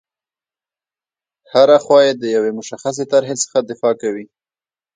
هره خوا یې د یوې مشخصې طرحې څخه دفاع کوي.